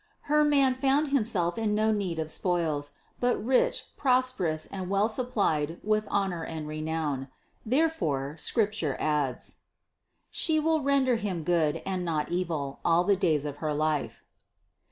Her Man found Himself in no need of spoils, but rich, prosperous and well supplied with honor and renown. Therefore Scrip ture adds : 777. "She will render him good, and not evil, all the days of her life."